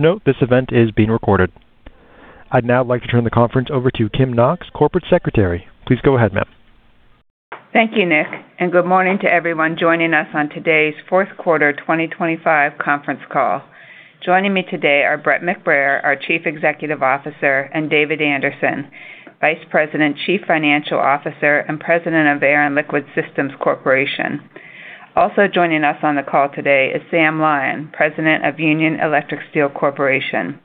Please note this event is being recorded. I'd now like to turn the conference over to Kim Knox, Corporate Secretary. Please go ahead, ma'am. Thank you, Nick, and good morning to everyone joining us on today's fourth quarter 2025 conference call. Joining me today are Brett McBrayer, our Chief Executive Officer, and David Anderson, Executive Vice President, Chief Financial Officer, and President of Air and Liquid Systems Corporation. Also joining us on the call today is Sam Lyon, President of Union Electric Steel Corporation.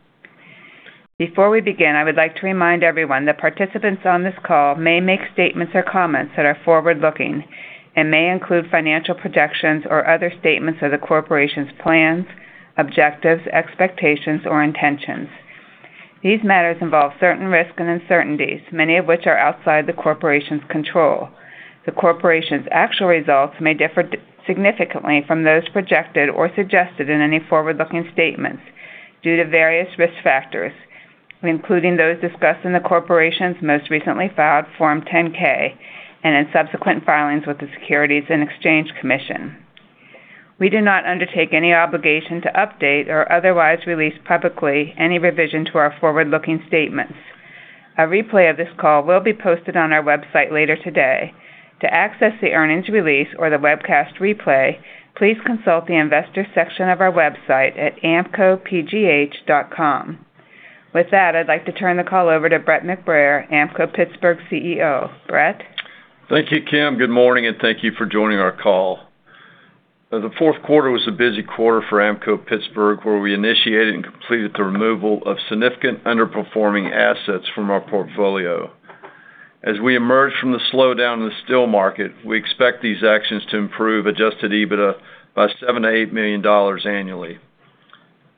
Before we begin, I would like to remind everyone that participants on this call may make statements or comments that are forward-looking and may include financial projections or other statements of the corporation's plans, objectives, expectations, or intentions. These matters involve certain risks and uncertainties, many of which are outside the corporation's control. The corporation's actual results may differ significantly from those projected or suggested in any forward-looking statements due to various risk factors, including those discussed in the corporation's most recently filed Form 10-K and in subsequent filings with the Securities and Exchange Commission. We do not undertake any obligation to update or otherwise release publicly any revision to our forward-looking statements. A replay of this call will be posted on our website later today. To access the earnings release or the webcast replay, please consult the investor section of our website at amppgh.com. With that, I'd like to turn the call over to Brett McBrayer, Ampco-Pittsburgh CEO. Brett. Thank you, Kim. Good morning, and thank you for joining our call. The fourth quarter was a busy quarter for Ampco-Pittsburgh, where we initiated and completed the removal of significant underperforming assets from our portfolio. As we emerge from the slowdown in the steel market, we expect these actions to improve adjusted EBITDA by $7-$8 million annually.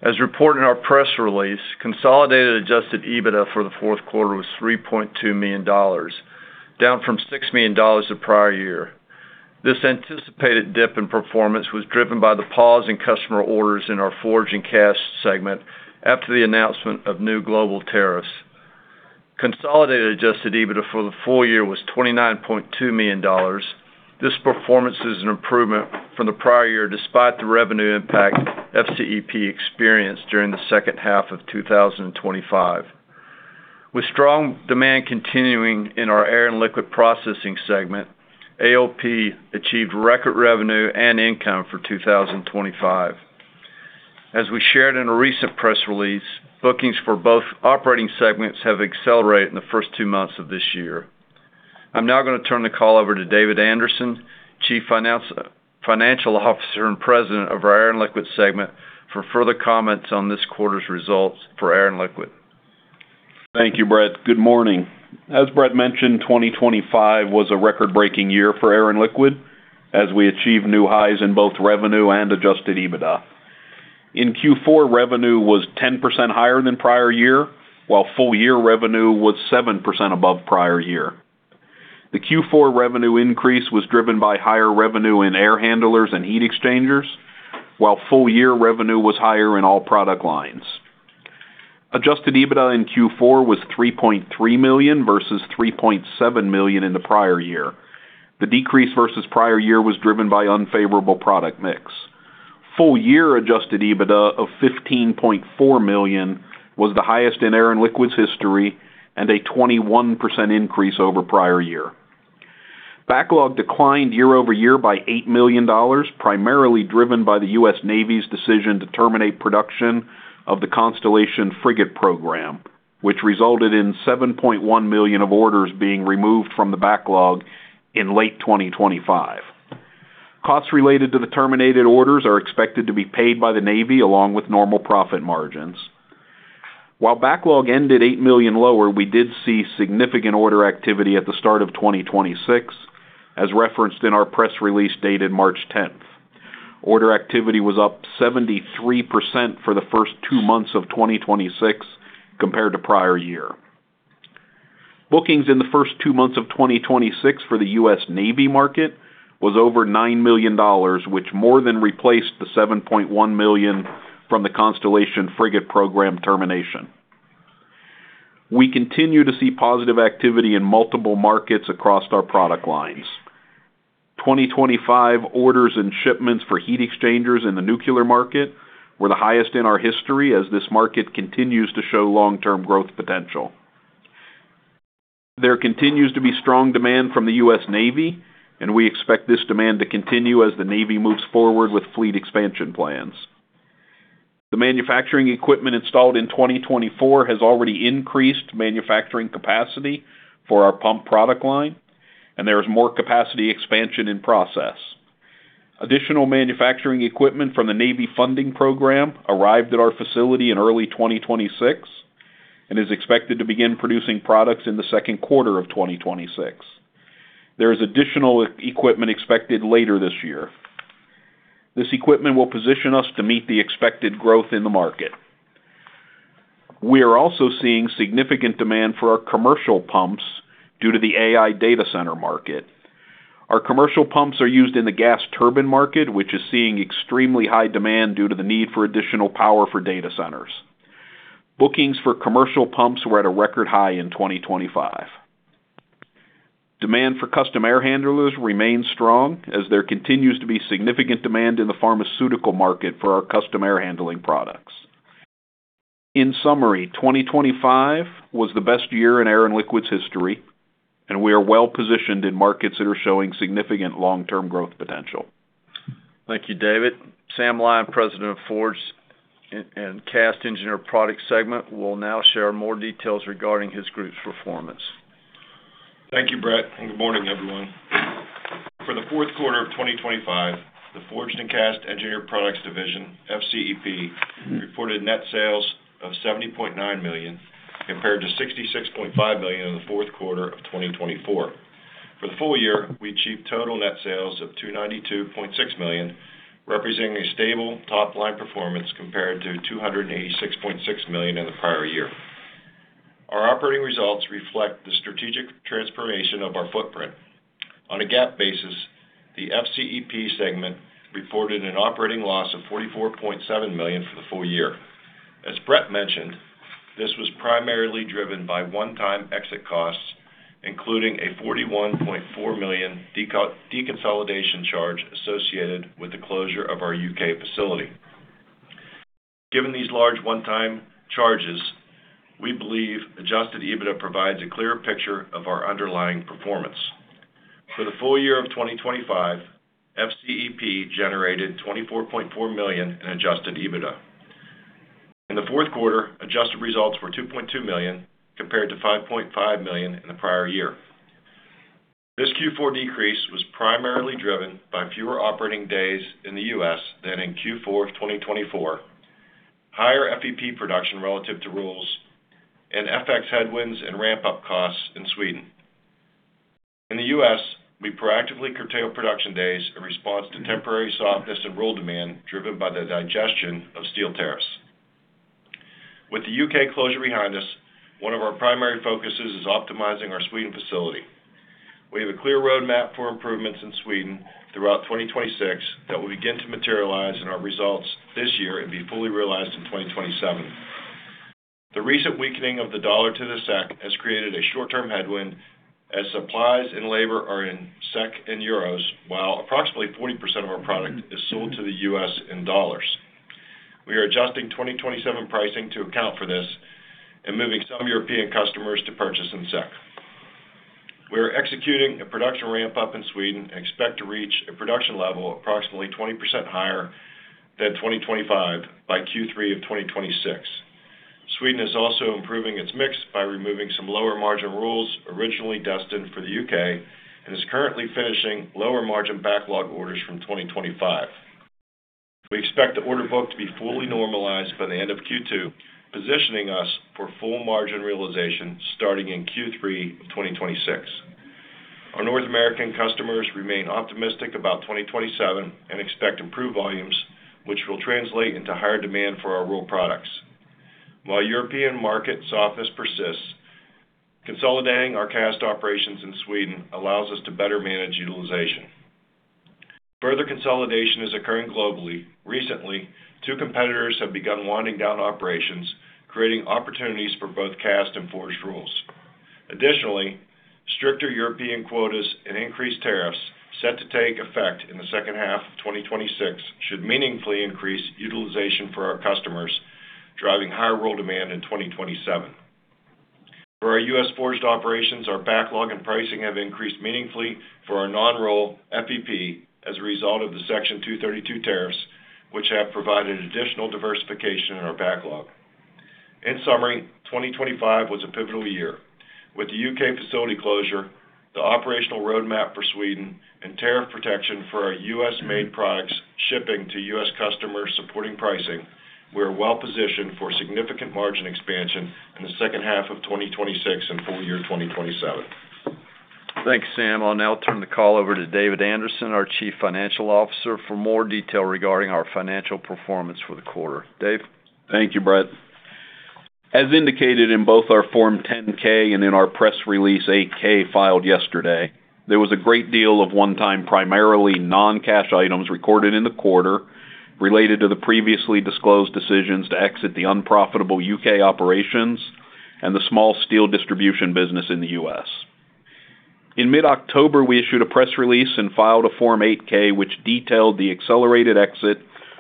As reported in our press release, consolidated adjusted EBITDA for the fourth quarter was $3.2 million, down from $6 million the prior year. This anticipated dip in performance was driven by the pause in customer orders in our forged and cast segment after the announcement of new global tariffs. Consolidated adjusted EBITDA for the full year was $29.2 million. This performance is an improvement from the prior year, despite the revenue impact FCEP experienced during the second half of 2025. With strong demand continuing in our air and liquid processing segment, ALP achieved record revenue and income for 2025. As we shared in a recent press release, bookings for both operating segments have accelerated in the first two months of this year. I'm now gonna turn the call over to David Anderson, Chief Financial Officer and President of our Air and Liquid segment, for further comments on this quarter's results for Air and Liquid. Thank you, Brett. Good morning. As Brett mentioned, 2025 was a record-breaking year for Air and Liquid as we achieved new highs in both revenue and adjusted EBITDA. In Q4, revenue was 10% higher than prior year, while full year revenue was 7% above prior year. The Q4 revenue increase was driven by higher revenue in air handlers and heat exchangers, while full year revenue was higher in all product lines. Adjusted EBITDA in Q4 was $3.3 million versus $3.7 million in the prior year. The decrease versus prior year was driven by unfavorable product mix. Full year adjusted EBITDA of $15.4 million was the highest in Air and Liquid's history and a 21% increase over prior year. Backlog declined year-over-year by $8 million, primarily driven by the U.S. Navy's decision to terminate production of the Constellation-class frigate program, which resulted in $7.1 million of orders being removed from the backlog in late 2025. Costs related to the terminated orders are expected to be paid by the Navy, along with normal profit margins. While backlog ended $8 million lower, we did see significant order activity at the start of 2026, as referenced in our press release dated March 10. Order activity was up 73% for the first two months of 2026 compared to prior year. Bookings in the first two months of 2026 for the U.S. Navy market was over $9 million, which more than replaced the $7.1 million from the Constellation-class frigate program termination. We continue to see positive activity in multiple markets across our product lines. 2025 orders and shipments for heat exchangers in the nuclear market were the highest in our history as this market continues to show long-term growth potential. There continues to be strong demand from the US Navy, and we expect this demand to continue as the Navy moves forward with fleet expansion plans. The manufacturing equipment installed in 2024 has already increased manufacturing capacity for our pump product line, and there is more capacity expansion in process. Additional manufacturing equipment from the Navy funding program arrived at our facility in early 2026 and is expected to begin producing products in the second quarter of 2026. There is additional equipment expected later this year. This equipment will position us to meet the expected growth in the market. We are also seeing significant demand for our commercial pumps due to the AI data center market. Our commercial pumps are used in the gas turbine market, which is seeing extremely high demand due to the need for additional power for data centers. Bookings for commercial pumps were at a record high in 2025. Demand for custom air handlers remains strong as there continues to be significant demand in the pharmaceutical market for our custom air handling products. In summary, 2025 was the best year in Air and Liquid's history, and we are well-positioned in markets that are showing significant long-term growth potential. Thank you, David. Sam Lyon, President of Forged and Cast Engineered Products segment, will now share more details regarding his group's performance. Thank you, Brett, and good morning, everyone. For the fourth quarter of 2025, the Forged and Cast Engineered Products division, FCEP, reported net sales of $70.9 million compared to $66.5 million in the fourth quarter of 2024. For the full year, we achieved total net sales of $292.6 million, representing a stable top-line performance compared to $286.6 million in the prior year. Our operating results reflect the strategic transformation of our footprint. On a GAAP basis, the FCEP segment reported an operating loss of $44.7 million for the full year. As Brett mentioned, this was primarily driven by one-time exit costs, including a $41.4 million deconsolidation charge associated with the closure of our UK facility. Given these large one-time charges, we believe adjusted EBITDA provides a clearer picture of our underlying performance. For the full year of 2025, FCEP generated $24.4 million in adjusted EBITDA. In the fourth quarter, adjusted results were $2.2 million compared to $5.5 million in the prior year. This Q4 decrease was primarily driven by fewer operating days in the U.S. than in Q4 of 2024, higher FEP production relative to rolls, FX headwinds, and ramp-up costs in Sweden. In the U.S., we proactively curtailed production days in response to temporary softness in roll demand driven by the digestion of steel tariffs. With the U.K. closure behind us, one of our primary focuses is optimizing our Sweden facility. We have a clear roadmap for improvements in Sweden throughout 2026 that will begin to materialize in our results this year and be fully realized in 2027. The recent weakening of the dollar to the SEK has created a short-term headwind as supplies and labor are in SEK and euros, while approximately 40% of our product is sold to the US in dollars. We are adjusting 2027 pricing to account for this and moving some European customers to purchase in SEK. We are executing a production ramp-up in Sweden and expect to reach a production level approximately 20% higher than 2025 by Q3 of 2026. Sweden is also improving its mix by removing some lower-margin rolls originally destined for the UK and is currently finishing lower-margin backlog orders from 2025. We expect the order book to be fully normalized by the end of Q2, positioning us for full margin realization starting in Q3 of 2026. Our North American customers remain optimistic about 2027 and expect improved volumes, which will translate into higher demand for our roll products. While European market softness persists, consolidating our cast operations in Sweden allows us to better manage utilization. Further consolidation is occurring globally. Recently, 2 competitors have begun winding down operations, creating opportunities for both cast and forged rolls. Additionally, stricter European quotas and increased tariffs set to take effect in the second half of 2026 should meaningfully increase utilization for our customers, driving higher roll demand in 2027. For our U.S. forged operations, our backlog and pricing have increased meaningfully for our non-roll FEP as a result of the Section 232 tariffs, which have provided additional diversification in our backlog. In summary, 2025 was a pivotal year. With the U.K. facility closure, the operational roadmap for Sweden, and tariff protection for our U.S.-made products shipping to U.S. customers supporting pricing, we are well positioned for significant margin expansion in the second half of 2026 and full year 2027. Thanks, Sam. I'll now turn the call over to David Anderson, our Chief Financial Officer, for more detail regarding our financial performance for the quarter. Dave. Thank you, Brett. As indicated in both our Form 10-K and in our press release, 8-K, filed yesterday, there was a great deal of one-time, primarily non-cash items recorded in the quarter related to the previously disclosed decisions to exit the unprofitable U.K. operations and the small steel distribution business in the U.S. In mid-October, we issued a press release and filed a Form 8-K, which detailed the accelerated exit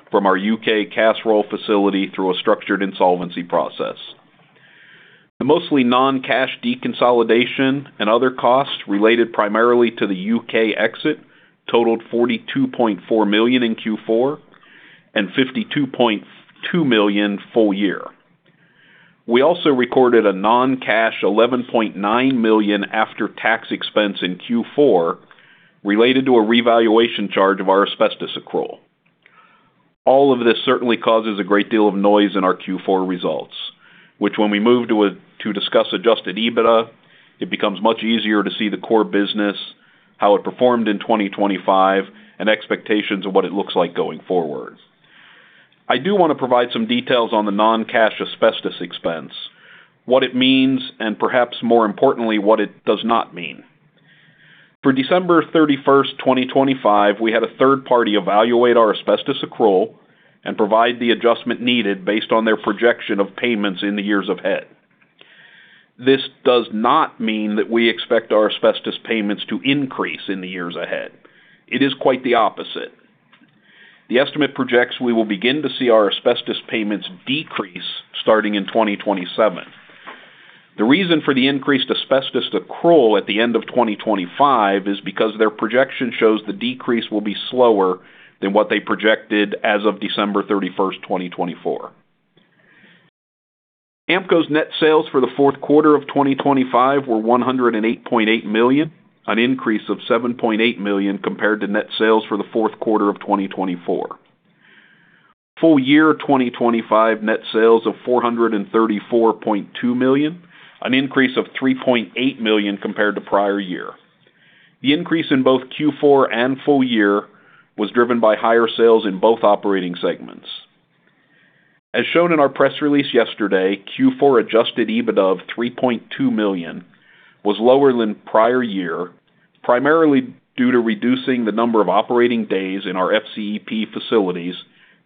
from our U.K. cast roll facility through a structured insolvency process. The mostly non-cash deconsolidation and other costs related primarily to the U.K. exit totaled $42.4 million in Q4, and $52.2 million full year. We also recorded a non-cash $11.9 million after-tax expense in Q4 related to a revaluation charge of our asbestos accrual. All of this certainly causes a great deal of noise in our Q4 results, which when we move to discuss adjusted EBITDA, it becomes much easier to see the core business, how it performed in 2025, and expectations of what it looks like going forward. I do want to provide some details on the non-cash asbestos expense, what it means, and perhaps more importantly, what it does not mean. For December 31, 2025, we had a third party evaluate our asbestos accrual and provide the adjustment needed based on their projection of payments in the years ahead. This does not mean that we expect our asbestos payments to increase in the years ahead. It is quite the opposite. The estimate projects we will begin to see our asbestos payments decrease starting in 2027. The reason for the increased asbestos accrual at the end of 2025 is because their projection shows the decrease will be slower than what they projected as of December 31, 2024. Ampco-Pittsburgh's net sales for the fourth quarter of 2025 were $108.8 million, an increase of $7.8 million compared to net sales for the fourth quarter of 2024. Full year 2025 net sales of $434.2 million, an increase of $3.8 million compared to prior year. The increase in both Q4 and full year was driven by higher sales in both operating segments. As shown in our press release yesterday, Q4 adjusted EBITDA of $3.2 million was lower than prior year, primarily due to reducing the number of operating days in our FCEP facilities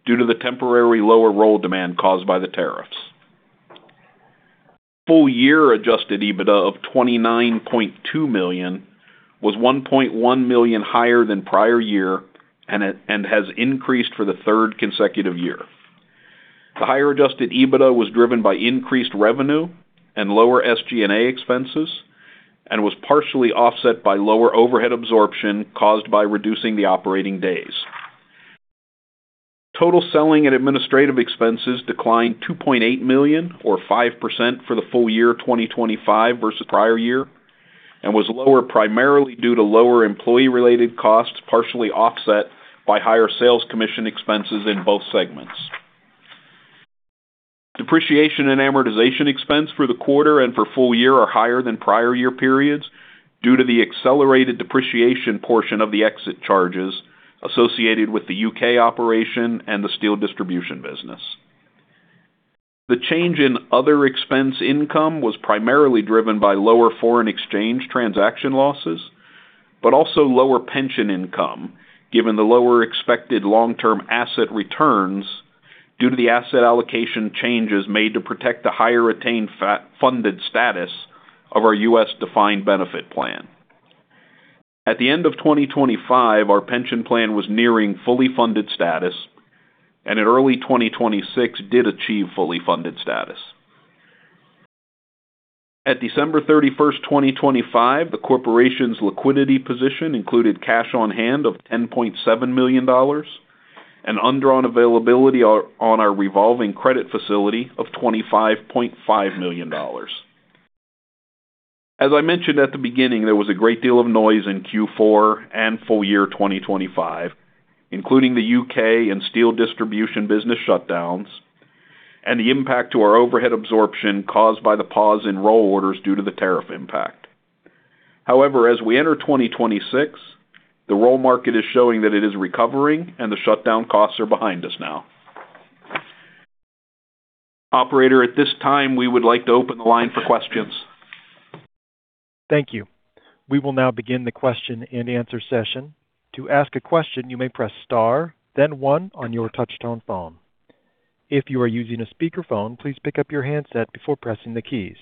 due to the temporary lower roll demand caused by the tariffs. Full year adjusted EBITDA of $29.2 million was $1.1 million higher than prior year and has increased for the third consecutive year. The higher adjusted EBITDA was driven by increased revenue and lower SG&A expenses, and was partially offset by lower overhead absorption caused by reducing the operating days. Total selling and administrative expenses declined $2.8 million or 5% for the full year 2025 versus prior year, and was lower primarily due to lower employee-related costs, partially offset by higher sales commission expenses in both segments. Depreciation and amortization expense for the quarter and for full year are higher than prior year periods due to the accelerated depreciation portion of the exit charges associated with the U.K. operation and the steel distribution business. The change in other expense income was primarily driven by lower foreign exchange transaction losses, but also lower pension income given the lower expected long-term asset returns due to the asset allocation changes made to protect the higher retained funded status of our U.S. defined benefit plan. At the end of 2025, our pension plan was nearing fully funded status, and in early 2026 did achieve fully funded status. At December 31, 2025, the corporation's liquidity position included cash on hand of $10.7 million and undrawn availability on our revolving credit facility of $25.5 million. As I mentioned at the beginning, there was a great deal of noise in Q4 and full year 2025, including the U.K. and steel distribution business shutdowns and the impact to our overhead absorption caused by the pause in roll orders due to the tariff impact. However, as we enter 2026, the roll market is showing that it is recovering and the shutdown costs are behind us now. Operator, at this time, we would like to open the line for questions. Thank you. We will now begin the question-and-answer session. To ask a question, you may press star, then one on your touch-tone phone. If you are using a speakerphone, please pick up your handset before pressing the keys.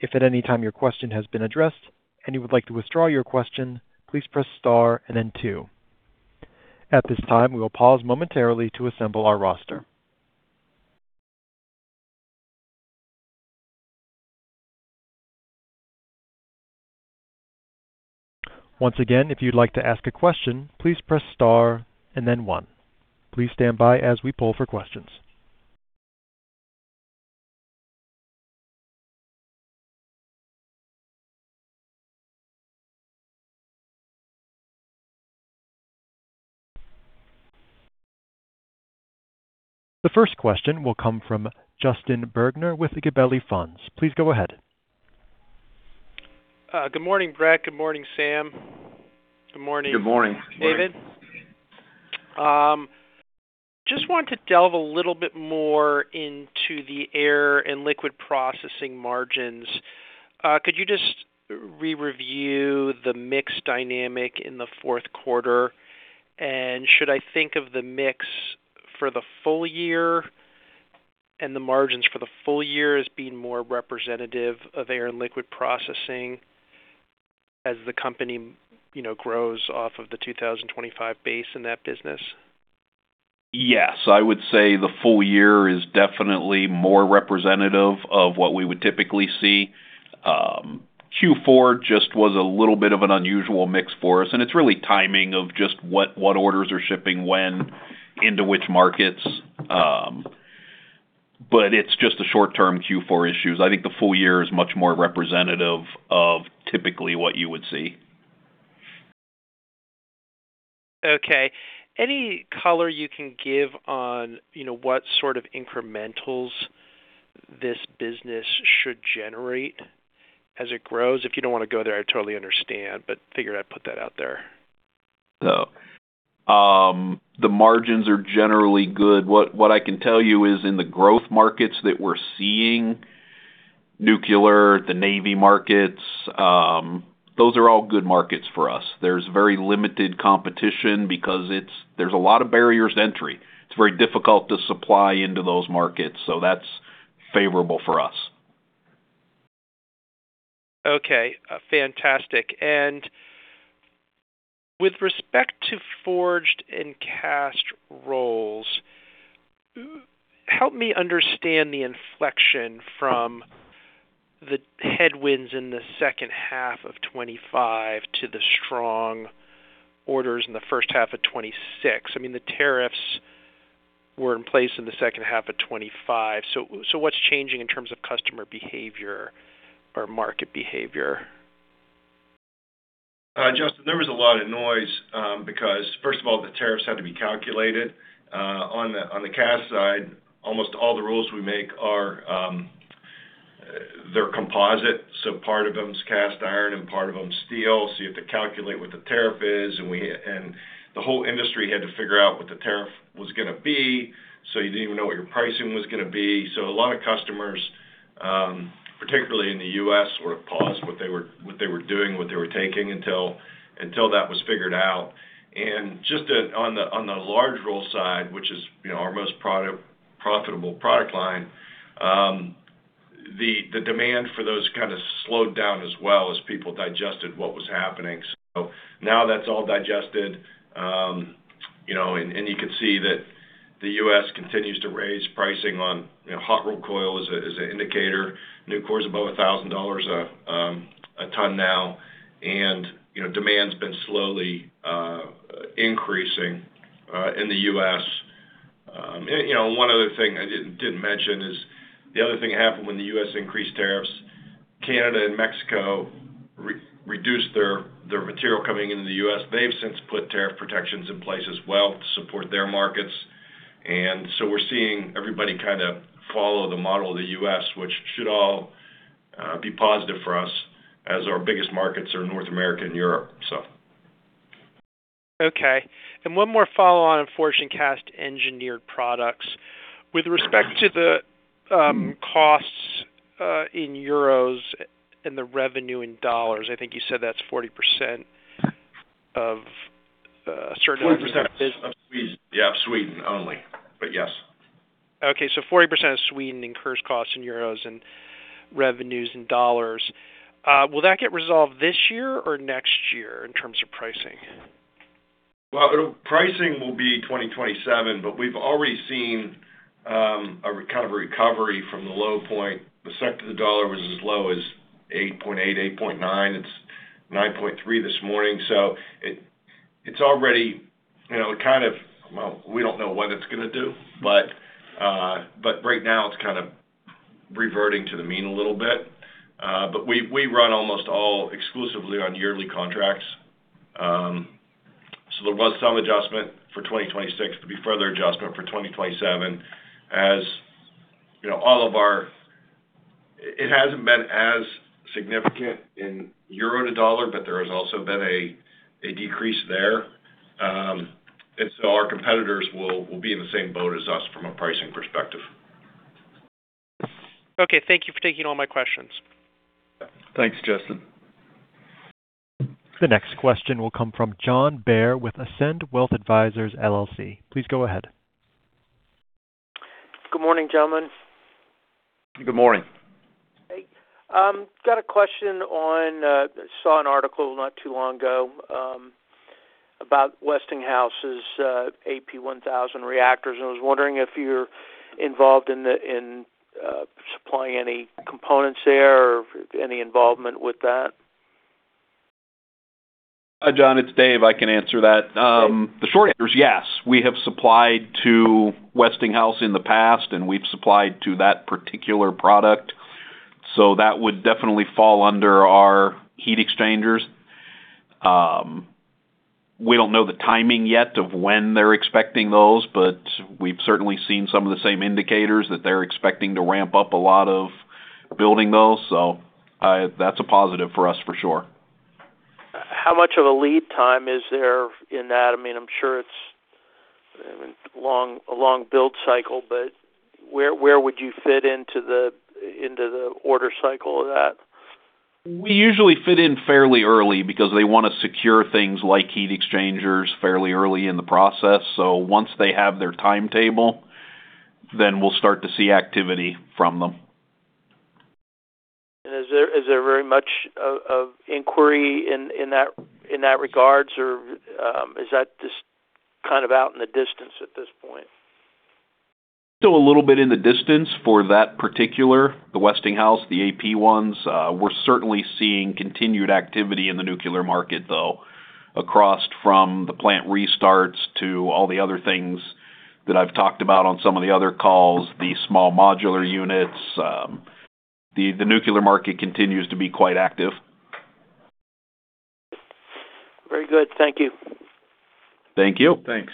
If at any time your question has been addressed and you would like to withdraw your question, please press star and then two. At this time, we will pause momentarily to assemble our roster. Once again, if you'd like to ask a question, please press star and then one. Please stand by as we poll for questions. The first question will come from Justin Bergner with Gabelli Funds. Please go ahead. Good morning, Brett. Good morning, Sam. Good morning. Good morning. David, just want to delve a little bit more into the Air and Liquid Processing margins. Could you just re-review the mix dynamic in the fourth quarter? Should I think of the mix for the full year and the margins for the full year as being more representative of Air and Liquid Processing as the company, you know, grows off of the 2025 base in that business? Yes, I would say the full year is definitely more representative of what we would typically see. Q4 just was a little bit of an unusual mix for us, and it's really timing of just what orders are shipping when into which markets. It's just a short-term Q4 issues. I think the full year is much more representative of typically what you would see. Okay. Any color you can give on, you know, what sort of incrementals this business should generate as it grows? If you don't want to go there, I totally understand, but figured I'd put that out there. The margins are generally good. What I can tell you is in the growth markets that we're seeing Nuclear, the Navy markets, those are all good markets for us. There's very limited competition because there's a lot of barriers to entry. It's very difficult to supply into those markets, so that's favorable for us. Okay. Fantastic. With respect to forged and cast rolls, help me understand the inflection from the headwinds in the second half of 2025 to the strong orders in the first half of 2026. I mean, the tariffs were in place in the second half of 2025. So what's changing in terms of customer behavior or market behavior? Justin, there was a lot of noise, because first of all, the tariffs had to be calculated. On the cast side, almost all the rolls we make are, they're composite, so part of them is cast iron and part of them is steel. You have to calculate what the tariff is, and the whole industry had to figure out what the tariff was gonna be. You didn't even know what your pricing was gonna be. A lot of customers, particularly in the U.S., sort of paused what they were doing, what they were taking until that was figured out. Just on the large roll side, which is, you know, our most profitable product line, the demand for those kind of slowed down as well as people digested what was happening. Now that's all digested. You know, and you can see that the U.S. continues to raise pricing on, you know, hot rolled coil as an indicator. Nucor is above $1,000 a ton now. You know, demand's been slowly increasing in the U.S. You know, one other thing I didn't mention is the other thing that happened when the U.S. increased tariffs, Canada and Mexico reduced their material coming into the U.S. They've since put tariff protections in place as well to support their markets. We're seeing everybody kind of follow the model of the U.S., which should all be positive for us as our biggest markets are North America and Europe, so. Okay. One more follow-on on Forged and Cast Engineered Products. With respect to the costs in euros and the revenue in dollars, I think you said that's 40% of certain business. Yeah, Sweden only, but yes. 40% of spending incurs costs in euros and revenues in dollars. Will that get resolved this year or next year in terms of pricing? Well, pricing will be 2027, but we've already seen a kind of a recovery from the low point. The SEK to the dollar was as low as 8.8.9. It's 9.3 this morning. So it's already, you know, kind of. Well, we don't know what it's gonna do, but right now, it's kind of reverting to the mean a little bit. We run almost all exclusively on yearly contracts. There was some adjustment for 2026. There'll be further adjustment for 2027. You know, all of our. It hasn't been as significant in euro to dollar, but there has also been a decrease there. Our competitors will be in the same boat as us from a pricing perspective. Okay. Thank you for taking all my questions. Thanks, Justin. The next question will come from John Bair with Ascend Wealth Advisors, LLC. Please go ahead. Good morning, gentlemen. Good morning. Hey. Got a question. Saw an article not too long ago about Westinghouse's AP1000 reactors, and I was wondering if you're involved in supplying any components there or any involvement with that. John, it's Dave. I can answer that. The short answer is yes. We have supplied to Westinghouse in the past, and we've supplied to that particular product. That would definitely fall under our heat exchangers. We don't know the timing yet of when they're expecting those, but we've certainly seen some of the same indicators that they're expecting to ramp up a lot of building those. That's a positive for us for sure. How much of a lead time is there in that? I mean, I'm sure it's a long build cycle, but where would you fit into the order cycle of that? We usually fit in fairly early because they wanna secure things like heat exchangers fairly early in the process. Once they have their timetable, then we'll start to see activity from them. Is there very much of inquiry in that regard or is that just kind of out in the distance at this point? Still a little bit in the distance for that particular the Westinghouse the AP1000s. We're certainly seeing continued activity in the nuclear market, though across from the plant restarts to all the other things that I've talked about on some of the other calls, the small modular units. The nuclear market continues to be quite active. Very good. Thank you. Thank you. Thanks.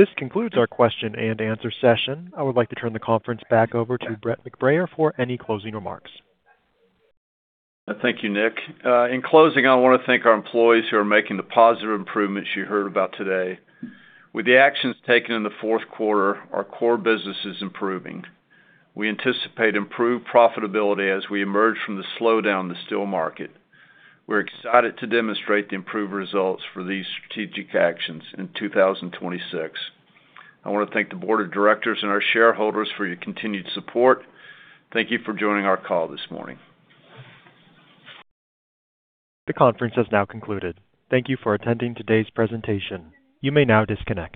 This concludes our question and answer session. I would like to turn the conference back over to Brett McBrayer for any closing remarks. Thank you, Nick. In closing, I wanna thank our employees who are making the positive improvements you heard about today. With the actions taken in the fourth quarter, our core business is improving. We anticipate improved profitability as we emerge from the slowdown in the steel market. We're excited to demonstrate the improved results for these strategic actions in 2026. I wanna thank the board of directors and our shareholders for your continued support. Thank you for joining our call this morning. The conference has now concluded. Thank you for attending today's presentation. You may now disconnect.